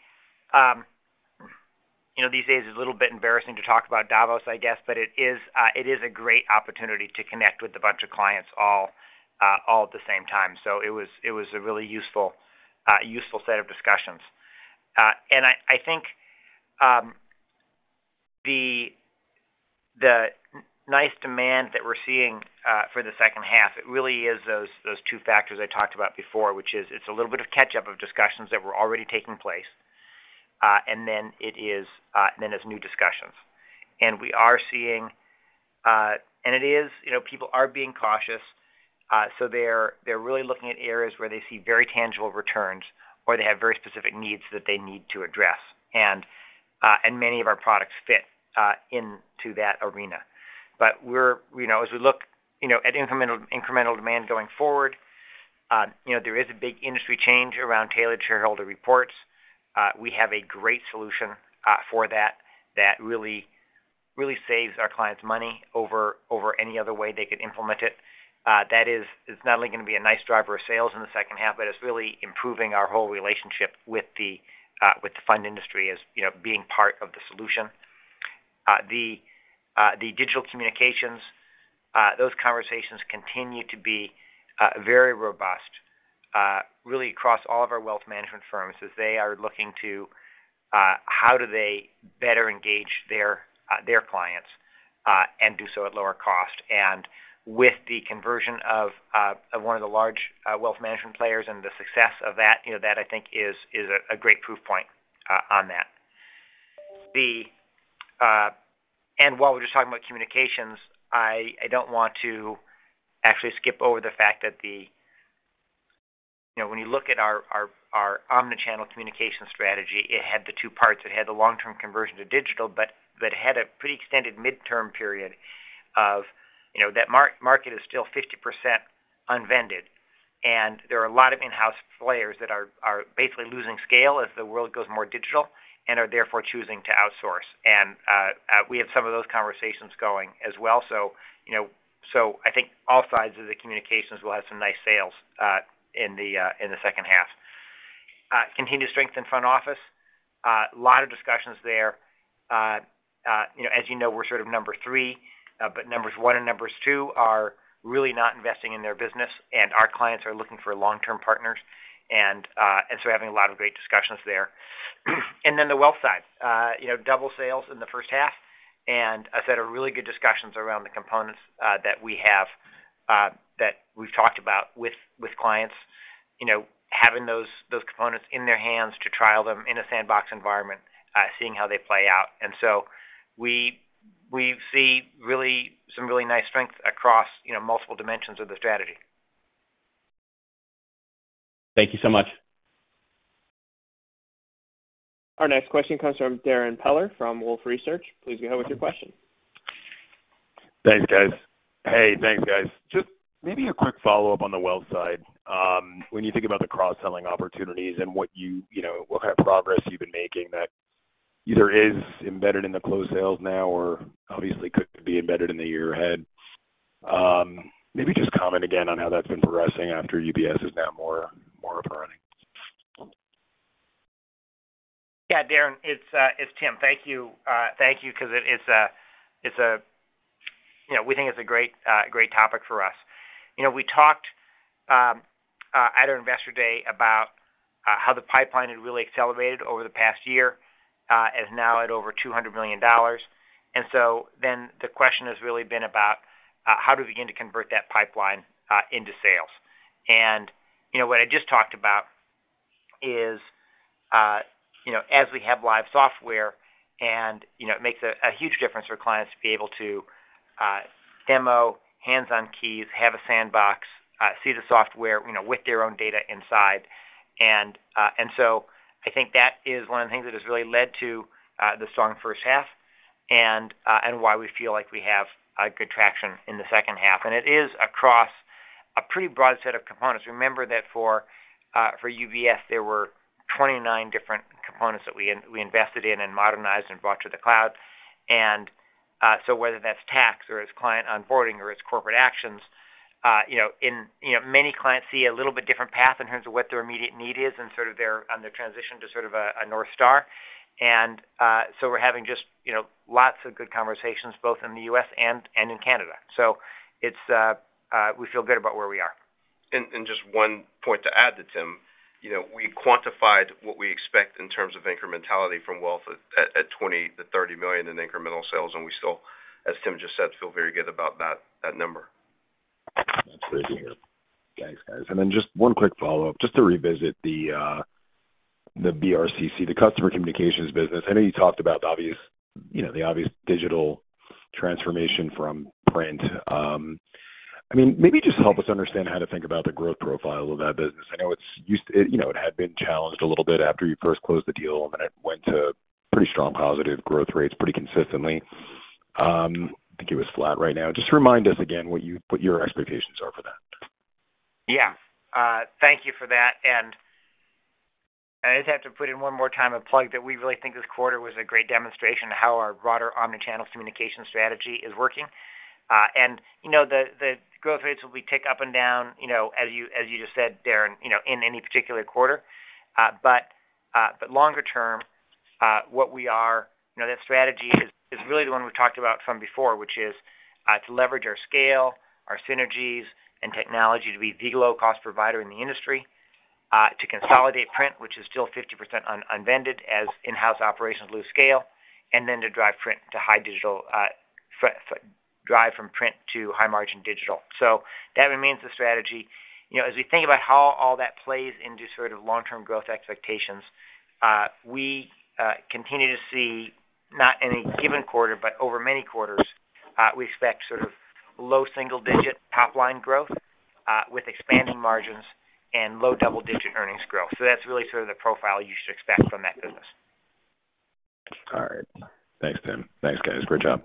you know, these days it's a little bit embarrassing to talk about Davos, I guess, but it is, it is a great opportunity to connect with a bunch of clients all, all at the same time. So it was, it was a really useful, useful set of discussions. And I, I think, the, the nice demand that we're seeing, for the second half, it really is those, those two factors I talked about before, which is it's a little bit of catch up of discussions that were already taking place, and then it is, and then there's new discussions. We are seeing – and it is, you know, people are being cautious, so they're really looking at areas where they see very tangible returns or they have very specific needs that they need to address. And many of our products fit into that arena. But we're, you know, as we look, you know, at incremental demand going forward, you know, there is a big industry change around Tailored Shareholder Reports. We have a great solution for that that really saves our clients money over any other way they could implement it. That is, it's not only gonna be a nice driver of sales in the second half, but it's really improving our whole relationship with the fund industry, as, you know, being part of the solution. The digital communications, those conversations continue to be very robust, really across all of our Wealth Management firms, as they are looking to how do they better engage their clients, and do so at lower cost. With the conversion of one of the large Wealth Management players and the success of that, you know, that I think is a great proof point on that. While we're just talking about communications, I don't want to actually skip over the fact that, you know, when you look at our omni-channel communication strategy, it had the two parts. It had the long-term conversion to digital, but it had a pretty extended mid-term period of, you know, that market is still 50% unpenetrated, and there are a lot of in-house players that are basically losing scale as the world goes more digital, and are therefore choosing to outsource. We have some of those conversations going as well. So, you know, so I think all sides of the communications will have some nice sales in the second half. Continued strength in front office. A lot of discussions there. You know, as you know, we're sort of number 3, but numbers 1 and 2 are really not investing in their business, and our clients are looking for long-term partners. So we're having a lot of great discussions there. And then the Wealth side, you know, double sales in the first half, and I've had a really good discussions around the components that we have that we've talked about with, with clients. You know, having those, those components in their hands to trial them in a sandbox environment, seeing how they play out. And so we, we see really, some really nice strength across, you know, multiple dimensions of the strategy. Thank you so much. Our next question comes from Darrin Peller from Wolfe Research. Please go ahead with your question. Thanks, guys. Hey, thanks, guys. Just maybe a quick follow-up on the Wealth side. When you think about the cross-selling opportunities and what you, you know, what kind of progress you've been making that either is embedded in the closed sales now or obviously could be embedded in the year ahead, maybe just comment again on how that's been progressing after UBS is now more, more up and running. Yeah, Darrin, it's, it's Tim. Thank you, thank you, because it, it's a, it's a, you know, we think it's a great, great topic for us. You know, we talked at our Investor Day about how the pipeline had really accelerated over the past year, is now at over $200 million. And so then the question has really been about how do we begin to convert that pipeline into sales? And, you know, what I just talked about is, you know, as we have live software and, you know, it makes a, a huge difference for clients to be able to demo hands-on keys, have a sandbox, see the software, you know, with their own data inside. And so I think that is one of the things that has really led to the strong first half and why we feel like we have good traction in the second half. And it is across a pretty broad set of components. Remember that for UBS, there were 29 different components that we invested in and modernized and brought to the cloud. And so whether that's tax or it's client onboarding or it's corporate actions, you know, many clients see a little bit different path in terms of what their immediate need is and sort of their transition to sort of a north star. And so we're having just, you know, lots of good conversations, both in the U.S. and in Canada. So, it's we feel good about where we are. Just one point to add to Tim. You know, we quantified what we expect in terms of incrementality from Wealth at $20 million-$30 million in incremental sales, and we still, as Tim just said, feel very good about that number. Absolutely. Thanks, guys. And then just one quick follow-up, just to revisit the, the BRCC, the Customer Communications business. I know you talked about the obvious, you know, the obvious digital transformation from print. I mean, maybe just help us understand how to think about the growth profile of that business. I know it's used to... You know, it had been challenged a little bit after you first closed the deal, and then it went to pretty strong positive growth rates pretty consistently. I think it was flat right now. Just remind us again what you, what your expectations are for that. Yeah. Thank you for that. And I just have to put in one more time a plug, that we really think this quarter was a great demonstration of how our broader omni-channel communication strategy is working. You know, the growth rates will tick up and down, you know, as you just said, Darrin, you know, in any particular quarter. But longer term, what we are... You know, that strategy is really the one we talked about from before, which is to leverage our scale, our synergies and technology to be the low-cost provider in the industry. To consolidate print, which is still 50% unvended, as in-house operations lose scale, and then to drive print to high digital, drive from print to high-margin digital. So that remains the strategy. You know, as we think about how all that plays into sort of long-term growth expectations, we continue to see not in a given quarter, but over many quarters, we expect sort of low single-digit top-line growth, with expanding margins and low double-digit earnings growth. So that's really sort of the profile you should expect from that business. All right. Thanks, Tim. Thanks, guys. Great job!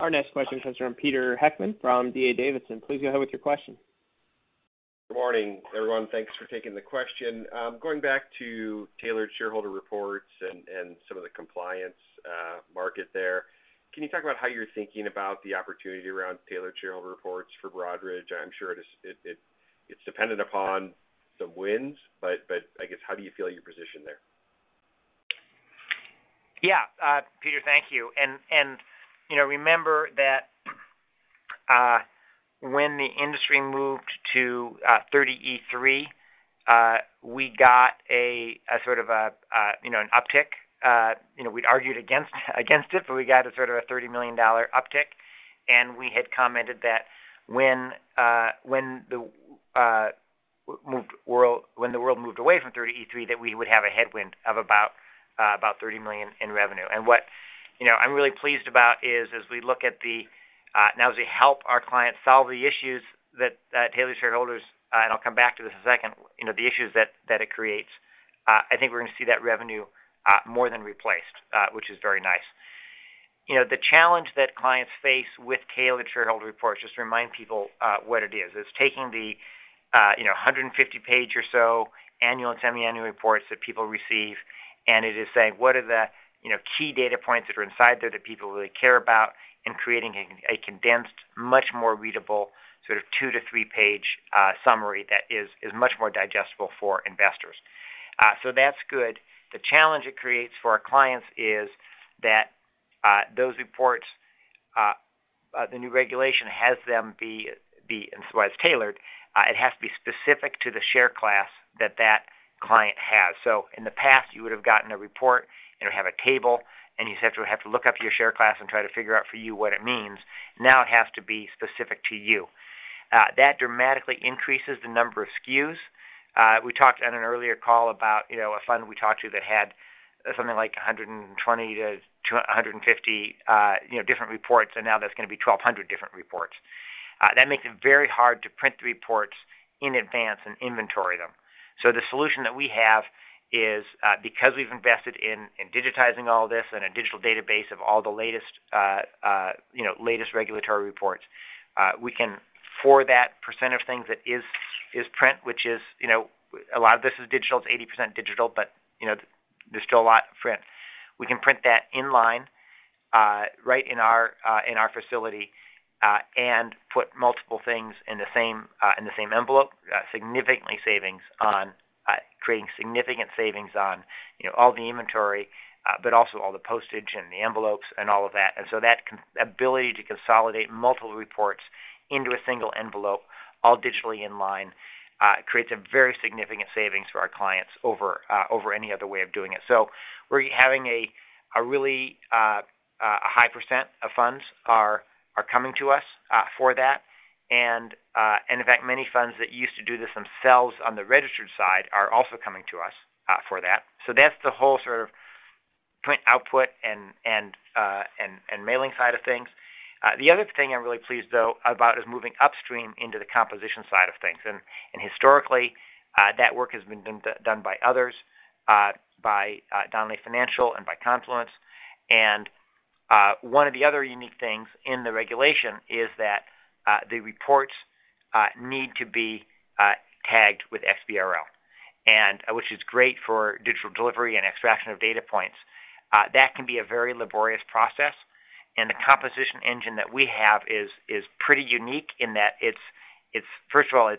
Our next question comes from Peter Heckman from D.A. Davidson. Please go ahead with your question. Good morning, everyone. Thanks for taking the question. Going back to tailored shareholder reports and some of the compliance market there, can you talk about how you're thinking about the opportunity around tailored shareholder reports for Broadridge? I'm sure it's dependent upon some wins, but I guess, how do you feel you're positioned there? Yeah, Peter, thank you. You know, remember that when the industry moved to 30e-3, we got sort of an uptick. You know, we'd argued against it, but we got sort of a $30 million uptick, and we had commented that when the world moved away from 30e-3, that we would have a headwind of about $30 million in revenue. And what you know I'm really pleased about is as we look at now, as we help our clients solve the issues that Tailored Shareholder Reports, and I'll come back to this in a second, you know, the issues that it creates. I think we're gonna see that revenue more than replaced, which is very nice. You know, the challenge that clients face with Tailored Shareholder Reports, just to remind people, what it is: It's taking the, you know, 150-page or so annual and semiannual reports that people receive, and it is saying, what are the, you know, key data points that are inside there that people really care about, and creating a condensed, much more readable, sort of 2-3 page summary that is much more digestible for investors. So that's good. The challenge it creates for our clients is that, those reports, the new regulation has them be and so as tailored, it has to be specific to the share class that that client has. In the past, you would have gotten a report, and it would have a table, and you'd have to look up your share class and try to figure out for you what it means. Now, it has to be specific to you. That dramatically increases the number of SKUs. We talked on an earlier call about, you know, a fund we talked to that had something like 120-150, you know, different reports, and now there's gonna be 1,200 different reports. That makes it very hard to print the reports in advance and inventory them. So the solution that we have is, because we've invested in digitizing all this and a digital database of all the latest, you know, latest Regulatory reports, we can, for that percent of things that is print, which is, you know, a lot of this is digital. It's 80% digital, but, you know, there's still a lot print. We can print that in line, right in our facility, and put multiple things in the same envelope, significantly savings on, creating significant savings on, you know, all the inventory, but also all the postage and the envelopes and all of that. So that ability to consolidate multiple reports into a single envelope, all digitally in line, creates a very significant savings for our clients over any other way of doing it. So we're having a really high percent of funds are coming to us for that. And in fact, many funds that used to do this themselves on the registered side are also coming to us for that. So that's the whole sort of print output and mailing side of things. The other thing I'm really pleased, though, about is moving upstream into the composition side of things. And historically, that work has been done by others, by Donnelley Financial and by Confluence. One of the other unique things in the regulation is that the reports need to be tagged with XBRL, which is great for digital delivery and extraction of data points. That can be a very laborious process, and the composition engine that we have is pretty unique in that it's first of all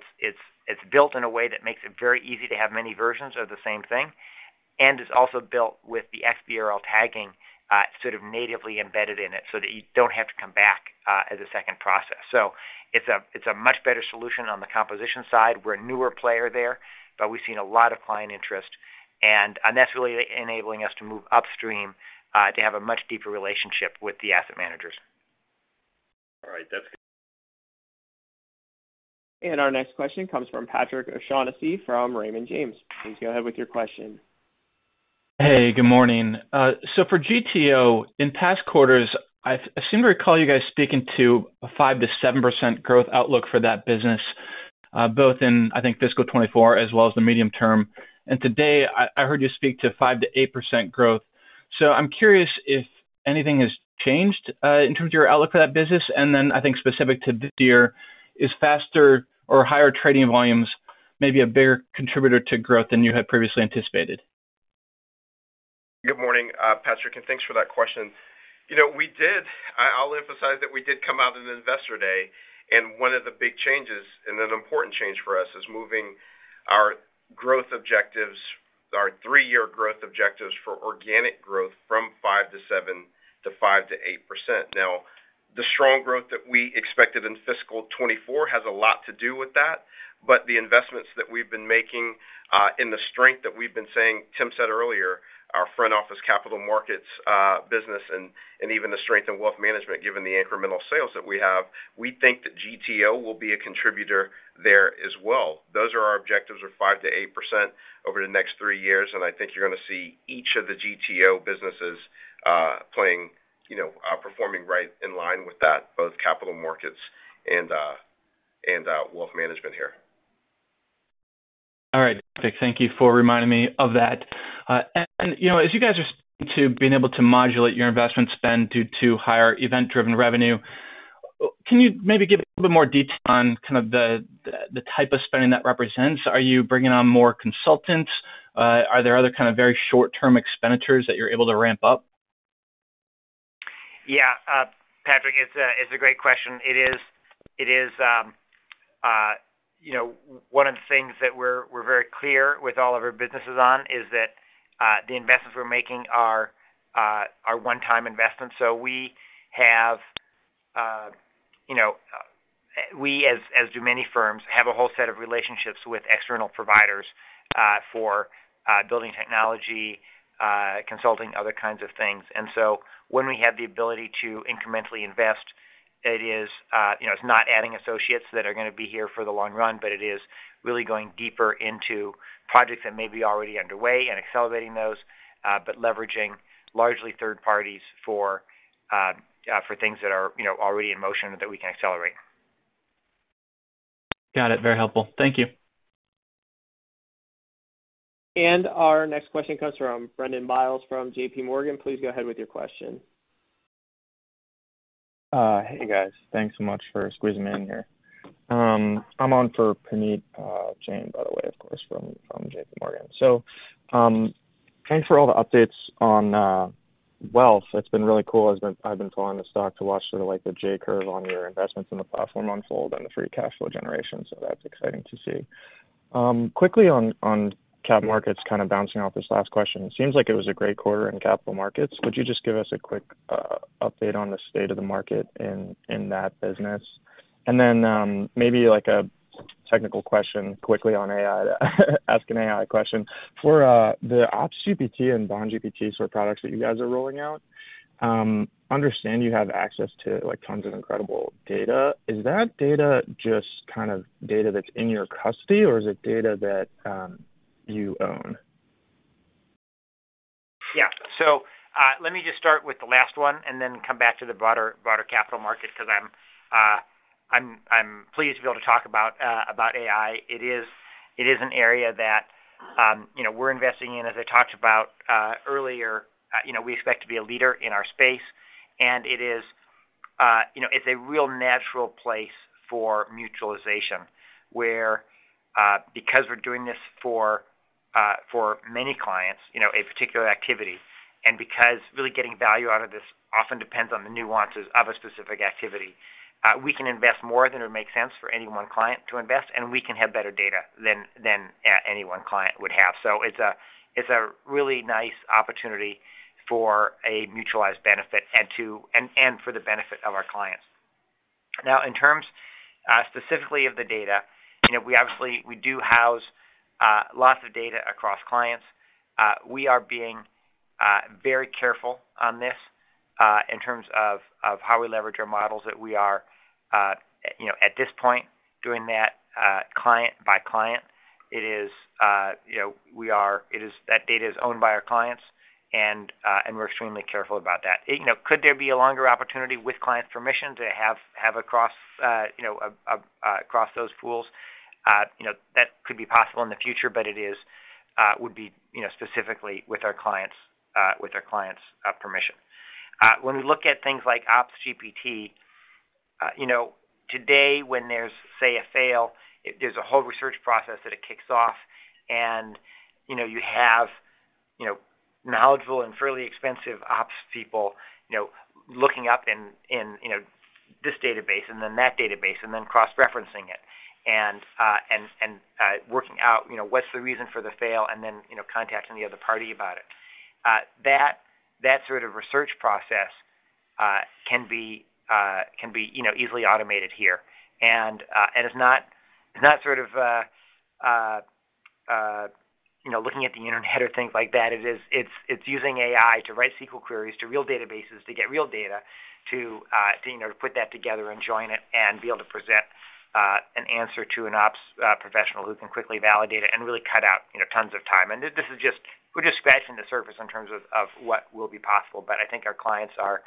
built in a way that makes it very easy to have many versions of the same thing, and it's also built with the XBRL tagging sort of natively embedded in it, so that you don't have to come back as a second process. So it's a much better solution on the composition side. We're a newer player there, but we've seen a lot of client interest, and that's really enabling us to move upstream, to have a much deeper relationship with the asset managers. All right, that's- Our next question comes from Patrick O'Shaughnessy from Raymond James. Please go ahead with your question. Hey, good morning. So for GTO, in past quarters, I seem to recall you guys speaking to a 5%-7% growth outlook for that business, both in, I think, fiscal 2024 as well as the medium term. And today, I heard you speak to 5%-8% growth. So I'm curious if anything has changed in terms of your outlook for that business. And then I think specific to this year, is faster or higher trading volumes may be a bigger contributor to growth than you had previously anticipated? Good morning, Patrick, and thanks for that question. You know, we did come out in Investor Day, and one of the big changes, and an important change for us, is moving our growth objectives, our three-year growth objectives for organic growth from 5%-7% to 5%-8%. Now, the strong growth that we expected in fiscal 2024 has a lot to do with that, but the investments that we've been making, and the strength that we've been saying, Tim said earlier, our front office Capital Markets business and, and even the strength in Wealth Management, given the incremental sales that we have, we think that GTO will be a contributor there as well. Those are our objectives, are 5%-8% over the next three years, and I think you're gonna see each of the GTO businesses, you know, performing right in line with that, both Capital Markets and Wealth Management here. All right, thank you for reminding me of that. And, you know, as you guys are to being able to modulate your investment spend due to higher event-driven revenue, can you maybe give a bit more detail on kind of the type of spending that represents? Are you bringing on more consultants? Are there other kind of very short-term expenditures that you're able to ramp up? Yeah, Patrick, it's a great question. It is, you know, one of the things that we're very clear with all of our businesses on, is that the investments we're making are one-time investments. So we have, you know, we, as do many firms, have a whole set of relationships with external providers for building technology, consulting, other kinds of things. And so when we have the ability to incrementally invest, it is, you know, it's not adding associates that are gonna be here for the long run, but it is really going deeper into projects that may be already underway and accelerating those, but leveraging largely third parties for things that are, you know, already in motion that we can accelerate. Got it. Very helpful. Thank you. And our next question comes from [Brendan Miles], from JPMorgan. Please go ahead with your question. Hey, guys. Thanks so much for squeezing me in here. I'm on for Puneet Jain, by the way, of course, from JP Morgan. So, thanks for all the updates on Wealth. It's been really cool. I've been following the stock to watch sort of like the J-curve on your investments in the platform unfold and the free cash flow generation, so that's exciting to see. Quickly on cap markets, kind of bouncing off this last question. It seems like it was a great quarter in Capital Markets. Would you just give us a quick update on the state of the market in that business? And then, maybe like a technical question quickly on AI, ask an AI question. For the OpsGPT and BondGPT sort of products that you guys are rolling out, understand you have access to, like, tons of incredible data. Is that data just kind of data that's in your custody, or is it data that you own? Yeah. So, let me just start with the last one and then come back to the broader capital market, 'cause I'm pleased to be able to talk about AI. It is an area that, you know, we're investing in. As I talked about earlier, you know, we expect to be a leader in our space, and it is, you know, it's a real natural place for mutualization, where, because we're doing this for many clients, you know, a particular activity, and because really getting value out of this often depends on the nuances of a specific activity, we can invest more than it makes sense for any one client to invest, and we can have better data than any one client would have. So it's a really nice opportunity for a mutualized benefit and to—and, and for the benefit of our clients. Now, in terms specifically of the data, you know, we obviously do house lots of data across clients. We are being very careful on this in terms of how we leverage our models, that we are, you know, at this point, doing that client by client. It is, you know, that data is owned by our clients, and we're extremely careful about that. You know, could there be a longer opportunity with client permission to have across, you know, across those pools? You know, that could be possible in the future, but it is, would be, you know, specifically with our clients, with our clients', permission. When we look at things like OpsGPT, you know, today, when there's, say, a fail, there's a whole research process that it kicks off. And, you know, you have, you know, knowledgeable and fairly expensive ops people, you know, looking up in this database and then that database, and then cross-referencing it, and working out, you know, what's the reason for the fail, and then, you know, contacting the other party about it. That sort of research process can be, can be, you know, easily automated here. And it's not sort of, you know, looking at the internet or things like that. It's using AI to write SQL queries to real databases, to get real data, to, you know, to put that together and join it, and be able to present an answer to an ops professional who can quickly validate it and really cut out, you know, tons of time. And this is just, we're just scratching the surface in terms of of what will be possible, but I think our clients are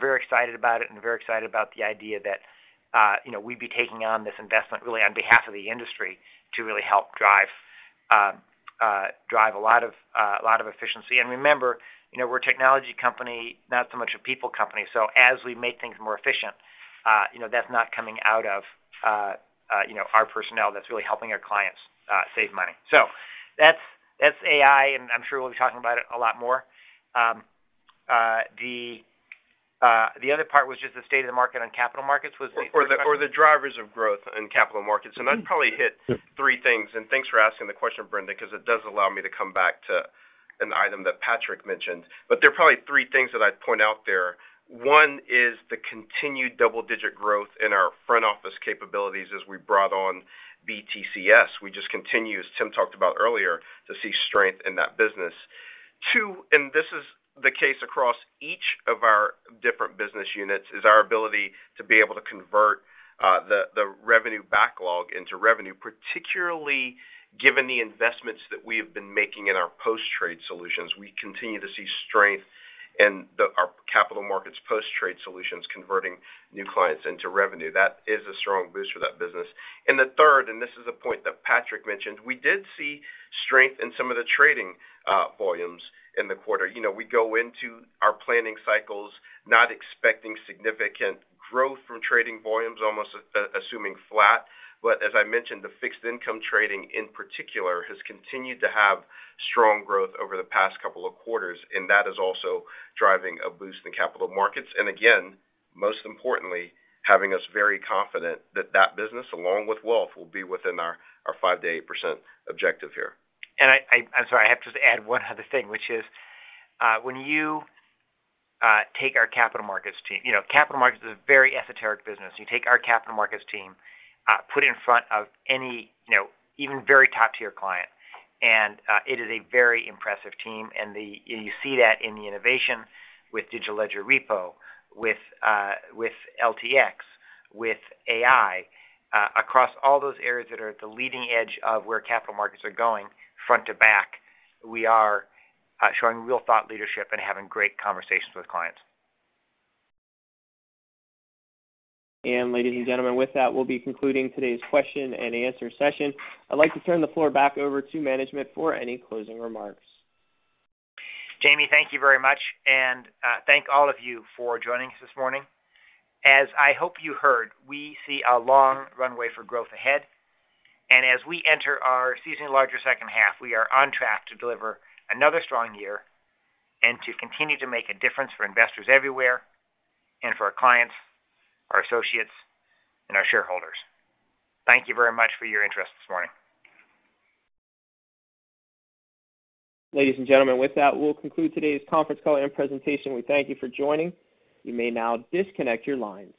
very excited about it and very excited about the idea that, you know, we'd be taking on this investment really on behalf of the industry to really help drive, drive a lot of, a lot of efficiency. And remember, you know, we're a technology company, not so much a people company. So as we make things more efficient, you know, that's not coming out of, you know, our personnel, that's really helping our clients save money. So that's AI, and I'm sure we'll be talking about it a lot more. The other part was just the state of the market on Capital Markets, was the- Or the drivers of growth in Capital Markets. Mm-hmm. I'd probably hit three things, and thanks for asking the question, Brendan, because it does allow me to come back to an item that Patrick mentioned. But there are probably three things that I'd point out there. One is the continued double-digit growth in our front office capabilities as we brought on BTCS. We just continue, as Tim talked about earlier, to see strength in that business. Two, and this is the case across each of our different business units, is our ability to be able to convert the revenue backlog into revenue, particularly given the investments that we have been making in our post-trade solutions. We continue to see strength and our Capital Markets post-trade solutions converting new clients into revenue. That is a strong boost for that business. The third, and this is a point that Patrick mentioned, we did see strength in some of the trading volumes in the quarter. You know, we go into our planning cycles not expecting significant growth from trading volumes, almost assuming flat. But as I mentioned, the fixed income trading, in particular, has continued to have strong growth over the past couple of quarters, and that is also driving a boost in Capital Markets. And again, most importantly, having us very confident that that business, along with Wealth, will be within our 5%-8% objective here. I'm sorry, I have to just add one other thing, which is, when you take our Capital Markets team... You know, Capital Markets is a very esoteric business. You take our Capital Markets team, put it in front of any, you know, even very top-tier client, and it is a very impressive team, and you see that in the innovation with Distributed Ledger Repo, with LTX, with AI. Across all those areas that are at the leading edge of where Capital Markets are going, front to back, we are showing real thought leadership and having great conversations with clients. Ladies and gentlemen, with that, we'll be concluding today's question and answer session. I'd like to turn the floor back over to management for any closing remarks. Jamie, thank you very much, and thank all of you for joining us this morning. As I hope you heard, we see a long runway for growth ahead, and as we enter our seasonally larger second half, we are on track to deliver another strong year and to continue to make a difference for investors everywhere and for our clients, our associates, and our shareholders. Thank you very much for your interest this morning. Ladies and gentlemen, with that, we'll conclude today's conference call and presentation. We thank you for joining. You may now disconnect your lines.